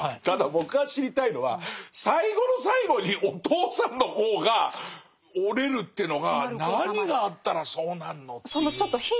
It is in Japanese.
ただ僕が知りたいのは最後の最後にお父さんの方が折れるってのが何があったらそうなんのっていう。